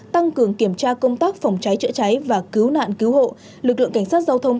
tăng cường kiểm tra công tác phòng cháy chữa cháy và cứu nạn cứu hộ lực lượng cảnh sát giao thông